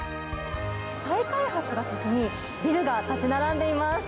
再開発が進み、ビルが建ち並んでいます。